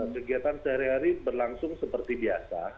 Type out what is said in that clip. kegiatan sehari hari berlangsung seperti biasa